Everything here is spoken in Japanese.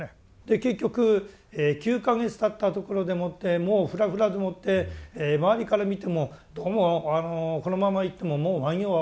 で結局９か月たったところでもってもうふらふらでもって周りから見てもどうもこのままいってももう満行はおぼつかないだろうって。